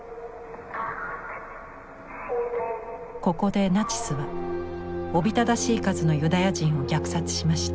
ここでナチスはおびただしい数のユダヤ人を虐殺しました。